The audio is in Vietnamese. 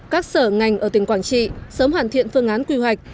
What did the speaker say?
các sở ngành ở tỉnh quảng trị sớm hoàn thiện phương án quy hoạch